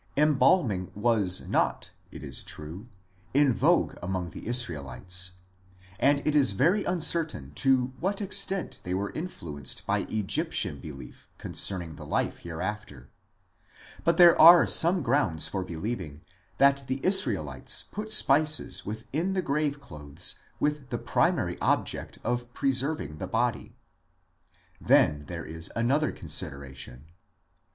Embalming was not, it is true, in vogue among the Israelites, and it is very uncertain to what extent they were influenced by Egyptian belief concerning the life hereafter ; but there are some grounds for believing that the Israelites put spices within the grave clothes with the primary object of preserving the body. Then there is another considera tion.